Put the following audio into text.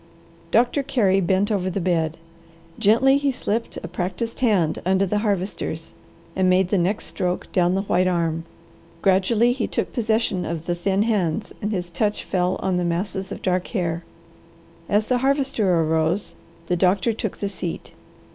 Doctor Carey bent over the bed. Gently he slipped a practised hand under the Harvester's and made the next stroke down the white arm. Gradually he took possession of the thin hands and his touch fell on the masses of dark hair. As the Harvester arose the doctor took the seat.